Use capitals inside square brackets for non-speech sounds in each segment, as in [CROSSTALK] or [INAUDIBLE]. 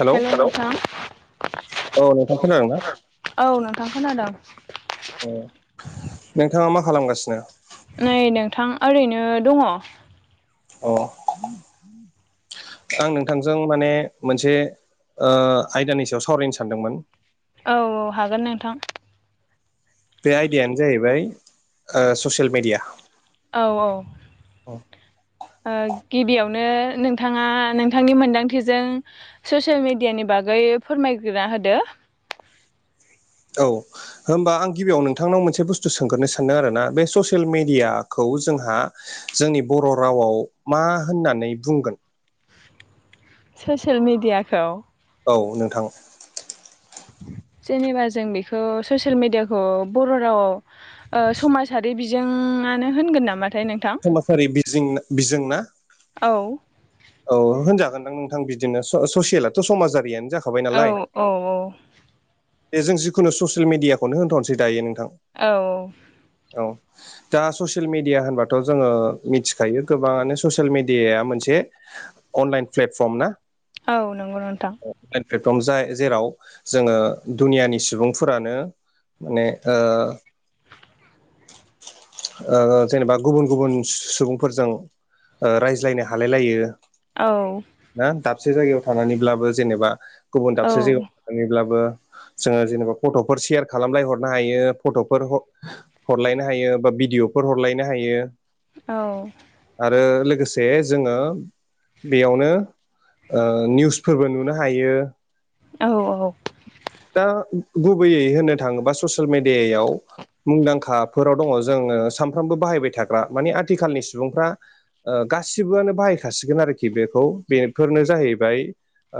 Hello hello नोंथां औ नोंथां खोनादों ना औ नोंथां खोनादों। अ नोंथाङा मा खालामगासिनो? नै नोंथां ओरैनो दङ। अ। आं नोंथांजों माने मोनसे ओ आयदानि सायाव सावरायनो सानदोंमोन। औ औ हागोन नोंथां। बे आयदायानो जाहैबाय ओ ससियेल मेडिया। औ औ। ओ गिबियावनो नोंथाङा नोंथांनि मोनदांथिजों ससियेल मेडियानि बागै फोरमायग्रोना होदो। औ। होमबा आं गिबियाव नोंथांनाव मोनसे बुस्थु सोंग्रोनो सानदों आरोना। बे ससियेल मेडियाखौ जोंहा जोंनि बर' रावाव मा होननानै बुंगोन? ससियेल मेडियाखौ? औ नोंथां। जेनेबा जों बेखौ ससियेल मेडियाखौ बर' रावाव ओ समाजारि बिजोंआनो होनगोन नामाथाय नों समाजारि बिरजों बिजोंना? औ औ होनजागोनदां नोंथां बिदिनो स ससियेलाथ' समाजारियानो जाखाबाय औ नालाय औ दे जों जिखुनु ससियेल मेडियाखौनो होनथ'नोसै दायो नोंथां औ औ दा ससियेल मिडिया होनबाथ' जोङो मिथिखायो गोबाङानो ससियेल मेडियाया मोनसे अनलाइन प्लेटफर्म ना? औ नोंगौ नोंथां [UNINTELLIGIBLE] लाइन प्लेटफर्म जाय जेराव जोङो दुनियानि सुबुंफोरानो माने ओ [INAUDIBLE] ओ जेनेबा गुबुन-गुबुन सुबुंफोरजों ओ रायज्लायनो हालायलायो औ ना दाबसे जायगायाव थानानैब्लाबो जेनेबा गुबुन औ दाबसे जायगायाव थानानैब्लाबो जोङो जेनेबा फट'फोर शेयार खालामलायहरनो हायो फट'फोर ह हरलायनो हायो बा भिडिय'फोर हरलायनो हायो औ आरो लोगोसे जोङो बेयावनो ओ निउसफोरबो नुनो हायो औ औ दा गुबैयै होननो थाङोबा ससेल मेडेयायाव मुंदांखाफोराव दङ जोङो सानफ्रामबो बाहायबाय थाग्रा माने आथिखालनि सुबुंफ्रा ओ गासिबोआनो बाहायखासिगोन आरोखि बेखौ बेफोरनो जाहैबाय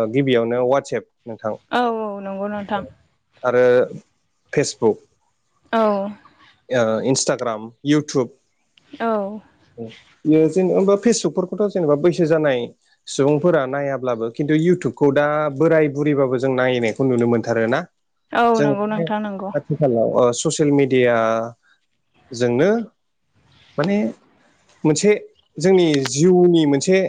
ओ गिबियावनो वाटसएप नोंथां औ औ नंगौ नोंथां आरो फेसबुक औ ओ इन्सटाग्राम इउटुब औ यो जेने होनबा फेसबुकफोरखौथ' जेनेबा बैसो जानाय सुबुंफोरा नायाब्लाबो खिन्थु इउटुबखौ दा बोराइ बुरैबाबो जों नाय [UNINTELLIGIBLE] खौ नुनो मोनथारोना औ जों नंगौ नोंथां नंगौ [UNINTELLIGIBLE] आथिखालाव ओ ससियेल मेडियाजोंनो माने मोनसे जोंनि जिउनि मोनसे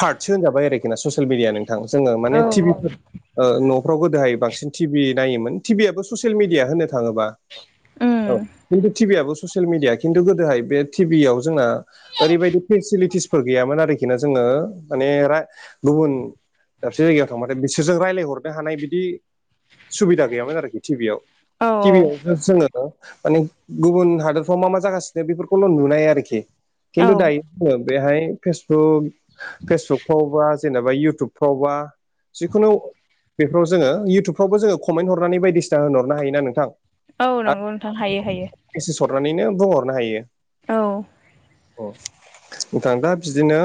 पार्टसो होनजाबाय आरोखि ना ससियेल मेडियाया नोंथां जोङो औ माने औ टिभिफोर ओ न'फ्राव गोदोहाय बांसिन टिभि नायोमोन टिभि आाबो ससियेल मेडिया होनो थाङोबा उम औ खिन्थु टिभि आबो ससियेल मिडिया खिन्थु गोदोहाय बे टिभियाव जोंना ओरैबायदि फेसिलिटिस फोर गैयामोन आरोखि ना जोङो माने रा गुबुन दाबसे जायगायाव थांबाथाय बिसोरजों रायलाय हरनो हानाय बिदि सुबिदा गैयामोन आरोखि टिभियाव औ टिभि आव जोङो माने गुबुन हादोरफ्राव मा मा जागासिनो बेफोरखौल' नुनाय आरोखि औ खिन्थु दायो [UNINTELLIGIBLE] ङो बेहाय फेसबुक फेसबुकफ्रावबा जेनेबा इउटुबफ्रावबा जिखुनु बेफोराव जोङो इउटुबफ्रावबो जोङो कमेन्ट हरनानै बायदिसिना होनोहरनो हायो ना नोंथां औ नंगौ नोंथां हायो हायो मेसेस हरनानैनो बुंहरनो हायो औ अ नोंथां दा बिदिनो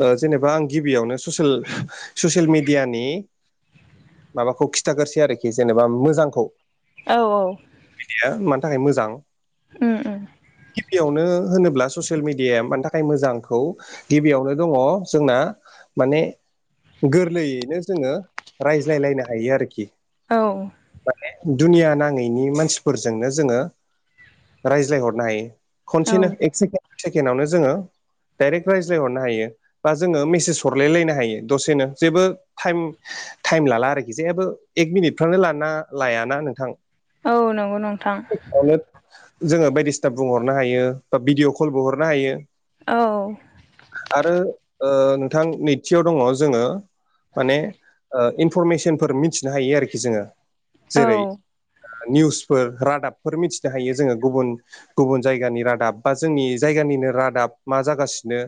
ओ जेनेबा आं गिबियावनो ससेल ससियेल मिडियानि माबाखौ खिथागोरसै आरोखि जेनेबा मोजांखौ औ औ बिदिया मानि थाखाय मोजां ओम ओम यावनो होनोब्ला ससियेल मिडियाया मानि थाख खाय मोजांखौ गिबियावनो दङ जोंना माने गोरलैयैनो जोङो रायज्लायलायनो हायो आरोखि औ माने दुनिया नाङैनि मानसिफोरजोंनो जोङो रायज्लायहरनो हायो औ खनसेनो एक सेके सेकेण्डावनो जोङो डाइरेक्ट राइज्लाय हरनो हायो बा जोङो मेसेज हरलाय लायनो हायो दसेनो जेबो टाइम टाइम लाला आरोखि जेबो एक मिनिटफ्रानो लाना लायाना नोंथां। औ नंगौ नोंथां नो जोङो बायदिसिना बुंहरनो हायो बा भिदिअ' कलबो हरनो हायो औ आरो ओ नोंथां नैथियाव दङ जोङो माने ओ इनफरमेसनफोर मिथिनो हायो आरोखि जोङो औ जेरै ओ निउसफोर रादाबफोर मिथिनो हायो जोङो गुबुन गुबुन जायगानि रादाब बा जोंनि जायगानिनो रादाब मा जागासिनो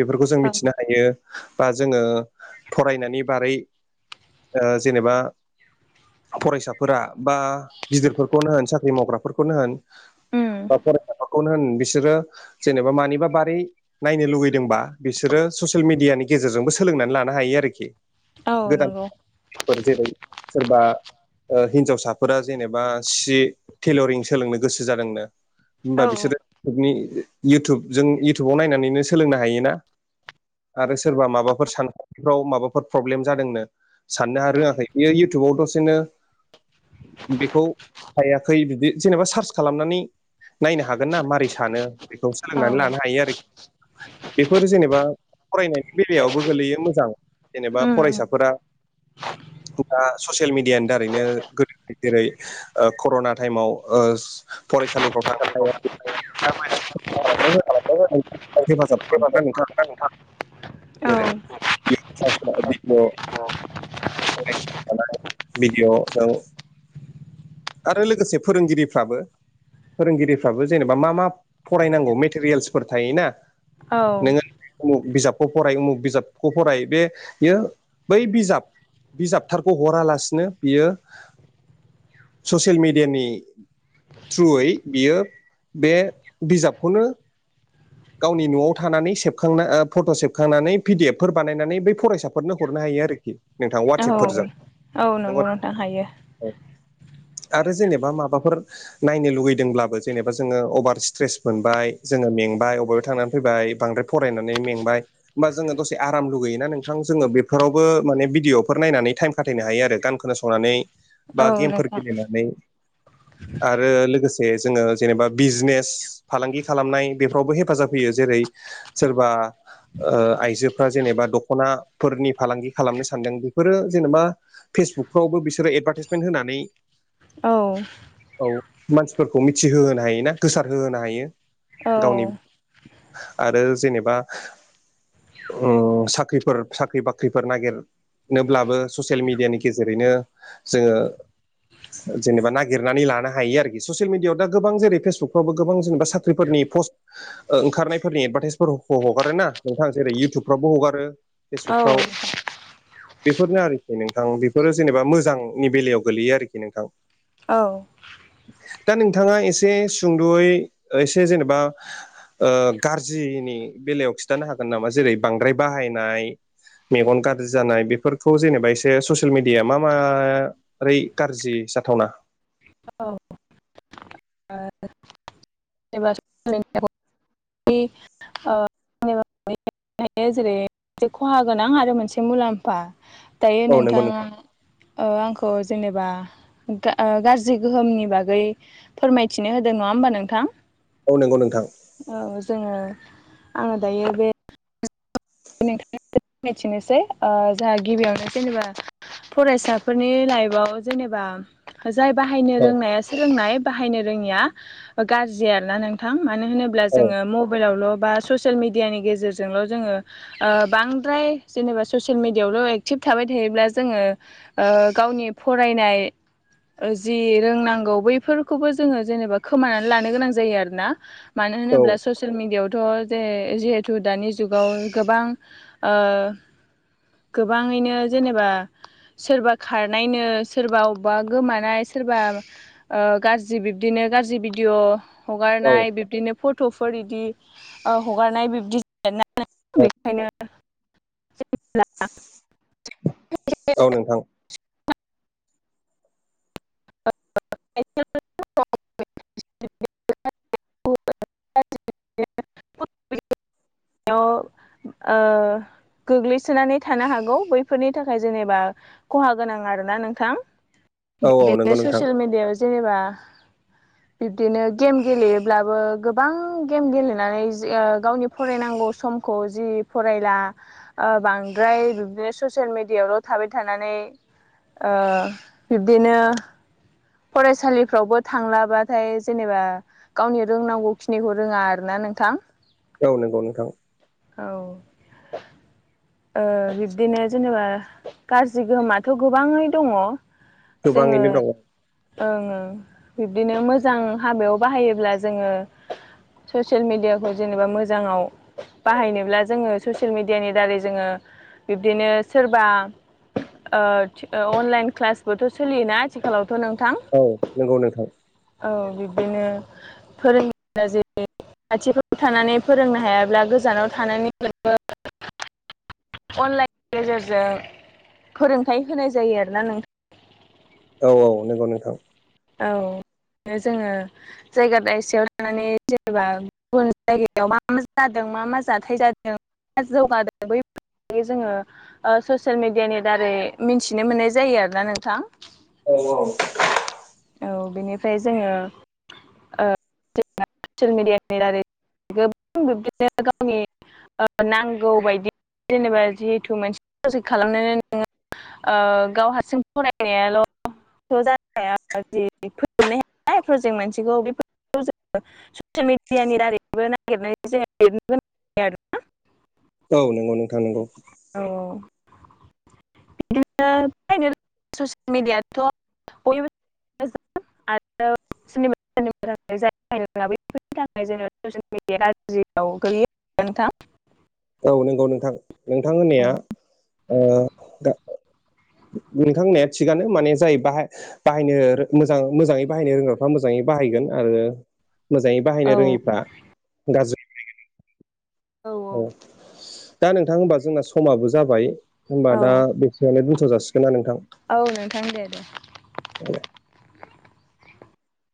बेफोरखौ जों औ मिथिनो हायो बा जोङो फरायनानै बारै ओ जेनेबा फरायसाफोरा बा गिदिरफोरखौनो होन साख्रि मावग्राफोरखौनो होन उम बा फरायसाफोरखौनो होन बिसोरो जेनेबा मानिबा बारै नायनो लुगैदोंबा बिसोरो ससियेल मिडियानि गेजेरजोंबो सोलोंनानै लानो हायो आरोखि। औ गोदान नंगौ फोर जेरै सोरबा हिनजावसाफोरा जेनेबा सि टेलरिं सोलोंनो गोसो जादोंनो औ होमबा बिसोरो [UNINTELLIGIBLE] इउटुब जों इउटुबाव नायनानैनो सोलोंनो हायोना आरो सोरबा माबाफोर सानफ्राव माबाफोर प्रब्लेम जादोंनो साननो हा रोङाखै बेयो इउटुबाव दसेनो बेखौ हायाखै बिदि जेनेबा सार्च खालामनानै नायनो हागोन ना मारै सानो बेखौ औ सोलोंनानै लानो हायो आरो बेफोर जेनेबा फरायनाय बेलायावबो गोलैयो मोजां जेनेबा उम फरायसाफोरा दा ससियेल मिडियानि दारैनो गोदो जेरै ओ कर'ना टाइमाव ओ फरायसालिफ्राव थांनो हायाखै [UNINTELLIGIBLE] हेफाजाब खालामगोना नोंथां औ जेरै [UNINTELLIGIBLE] [UNINTELLIGIBLE] भडिअ जों आरो लोगोसे फोरोंगिरिफ्राबो फोरोंगिरिफ्राबो जेनेबा मा मा फरायनांगौ मेटेरियेल्सफोर थायोना औ नोङो उमुख बिजाबखौ फराय उमुक बिजाबखौ फराय बेयो बै बिजाब बिजाबथारखौ हरालासिनो बियो ससियेल मेडियानि थ्रुयै बियो बे बिजाबखौनो गावनि न'आव थानानै सेबखांना फट' सेबखांनानै पि डि एफ फोर बानायनानै बै फरायसाफोरनो हरनो हायो आरोखि। नोंथां औ वाटत्सएपफोरजों औ नंगौ नंगौना नोंथां हायो आरो जेनेबा माबाफोर नायनो लुगैदोंब्लाबो जेनेबा जोङो अभार स्ट्रेस मोनबाय जोङो मेंबाय बो थांनानै फैबाय बांद्राय फरायनानै मेंबाय होमबा जोङो दसे आराम लुगैयोना नोंथां जोङो बेफोरावबो माने भिदिअफोर नायनानै टाइम खाथायनो हायो आरो गान खोनासंनानै बा औ गेमफोर नोंथां गेलेनानै आरो लोगोसे जोङो जेनेबा बिजनेस फालांगि खालामनाय बेफोरावबो हे फाजाब होयो जेरै सोरबा आइजोफ्रा जेनेबा दख'नाफोरनि फालांगि खालामनो सानदों बेफोरो जेनेबा फेसबुकफ्रावबो बिसोरो एडभार्टाइसमेन्ट होनानै औ औ मानसिफोरखौ मिथिहोहोनो हायो ना गोसारहोहोनो हायो औ गावनि आरो जेनेबा उम साख्रिफोर साख्रि बाख्रिफोर नागिर ब्लाबो ससियेल मिडियानि गेजेरैनो जोङो जेनेबा नागिरनानै लानो हायो आरोखि ससियेल मिडियाआव दा गोबां जेरै फेसबुकफ्रावबो गोबां जेनेबा साख्रिफोरनि पस्ट ओंखारनायफोरनि एडभार्टाइसफोरखौ हगारो ना नोंथां जेरै इयउटुबफ्रावबो हगारो औ फेसबुकफ्राव बेफोरनो आरोखि नोंथां बेफोरो जेनेबा मोजांनि बेलायाव गोलैयो आरोखि नोंथां औ दा नोंथाङा एसे सुंद'यै एसे जेनेबा गाज्रिनि बेलायाव खिन्थानो हागोन नामा जेरै बांद्राय बाहायनाय मेगन गाज्रि जानाय बेफोरखौ जेनेबा एसे ससियेल मिडिया मा मा ओरै गाज्रि जाथावना औ [UNINTELLIGIBLE] एबार [UNINTELLIGIBLE] [UNINTELLIGIBLE] हायो जेरै मोनसे खहा गोनां आरो मोनसे मुलाम्फा दायो औ नंगौ नोंथाङा नोंथां आंखौ जेनेबा गाज्रि गोहोमनि बागै फोरमायथिनो होदों नङा होमबा नोंथां औ नंगौ नोंथां। औ जोङो। आङो दायो बे [UNINTELLIGIBLE] थिनोसै गिबियावनो जेनेबा फरायसाफोरनि लाइफआव जेनेबा जाय बाहायनो औ रोंनाया रोंनाय बाहायनो रोङिया गाज्रि आरोना नोंथां मानो होनोब्ला अब्ला औ जोङो मबाइलावल' बा ससियेल मिडियानि गेजेरजोंल' जोङो बांद्राय जेनेबा ससियेल मिडियायावल' एक्टिभ थाबाय थायोब्ला जोङो ओ गावनि फरायनाय जि रोंनांगौ बैफोरखौबो जोङो जेनेबा खोमानानै लानो गोनां जायो आरोना मानो औ होनोब्ला ससियेल मिडियायावथ' जे जिहेथु दानि जुगाव गोबां ओ गोबाङैनो जेनेबा सोरबा खारनायनो सोरबा अबेबा गोमानाय सोरबा ओ गाज्रि बिब्दिनो गाज्रि भिडिअ' औ हगारनाय बिब्दिनो फट'फोर इदि ओ हगारनाय बिबदि जायो [UNINTELLIGIBLE] औ बेखायनो औ नोंथां। [UNINTELLIGIBLE] [UNINTELLIGIBLE] ओ गोग्लैसोनानै थानो हागौ बैफोरनि थाखाय जेनेबा खहा गोनां आरोना नोंथां औ औ नंगौ बिदिनो नोंथां ससियेल मिडियायाव जेनेबा बिब्दिनो गेम गेलेयोब्लाबो गोबां गेम गेलेनानै ओ गावनि फरायनांगौ समखौ जि फरायला। ओ बांद्राय बिब्दिनो ससियेल मिडियावल' थाबाय थानानै ओ बिब्दिनो फरायसालिफ्रावबो थांलाबाथाय जेनेबा गावनि रोंनांगौखिनिखौ रोङा आरोना नोंथां औ नंगौ नोंथां। औ ओ बिब्दिनो जेनेबा गाज्रि गोहोमाथ' गोबाङै दङ गोबाङैनो दं ओं ओं बिब्दिनो मोजां हाबायाव बाहायोब्ला जोङो ससियेल मिडियाखौ जेनेबा मोजाङाव बाहायनोब्ला जोङो ससियेल मिडियानि दारै जोङो बिब्दिनो सोरबा ओ अनलाइन क्लासबोथ' सोलियोना आथिखालावथ' नोंथां। औ नंगौ नोंथां। औ बिब्दिनो फोरोंगिरिया जेरै खाथिफोराव थानानै फोरोंनो हायाब्ला गोजानाव थानानै [UNINTELLIGIBLE] अनलाइननि गेजेरजों फोरोंथायाइ होनाय जायो आरोना नोंथां। औ औ नंगौ नोंथां। औ जोङो जायगा दयसेयाव थानानै जेनेबा गुबुन जायगायाव मा मा जादों मा मा जाथाय जादों माया जौगादों बैफोर बियो जोङो ओ ससियेल मिडियानि दारै मिनथिनो मोननाय जायो आरोना नोंथां। औ औ। औ बेनिफ्राय जोङो ओ ससियेल मिडियानि दारै गोबां बिब्दिनो गावनि ओ नांगौ बायदि जेनेबा जिहेथु मोनसे प्रजेक्ट खालामनानै नोङो ओ गाव हारसिं फरायनायाल' थ' जाया जि फोजोबनो हाया प्रजेक्ट मोनसेखौ बे जोङो ससियेल मिडियानि दारैबो नागिरनानै जोङो लिरनो गोनां जायो आरोना। औ नंगौ नोंथां नंगौ। औ औ औ। बिदिनो ससिल मिडियाथ' [UNINTELLIGIBLE] थाखाय जोङो ससियेल मिडिया गाज्रिआव गैैलैयो नोंथां। औ नंगौ नोंथां नोंथां औ होननाया ओ गा नोंथां होननाया थिगानो माने जाय बायाहाय बाहायनो रो मोजां मोजाङै बाहायनो रोंग्राफ्रा मोजाङै बाहायगोन आरो मोजाङै बाहायनो औ रोङिफ्रा गाज्रि ओ औ दा नोंथां होनबा जोंना समाबो जाबाय होनबा औ दा बे बेयावनो दोनथ' जासिगोन ना नोंथां औ नोंथां दे दे।